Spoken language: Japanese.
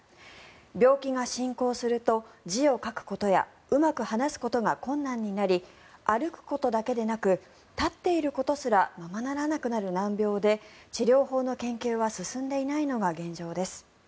病気が進行すると字を書くことやうまく話すことが困難になり歩くことだけでなく立っていることすらままならなくなる難病で治療法の研究は進んでいないのが現状です。